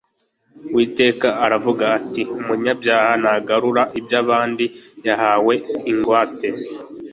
Uwiteka aravuga ati: "Umunyabyaha nagarura iby'abandi yahaweho ingwate,